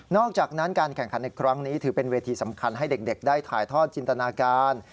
นอกจากนั้นแข่งขันในครั้งนี้ถือเป็นที่สำคัญให้ได้ถ่ายทนจิตนาการ